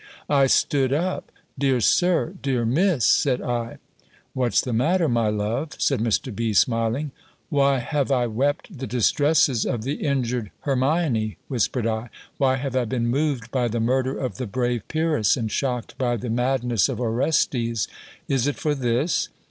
I stood up "Dear Sir! Dear Miss!" said I. "What's the matter, my love?" said Mr. B. smiling. "Why have I wept the distresses of the injured Hermione?" whispered I: "why have I been moved by the murder of the brave Pyrrhus, and shocked by the madness of Orestes! Is it for this?